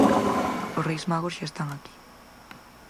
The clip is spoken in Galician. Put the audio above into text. Os Reis Magos xa están aquí.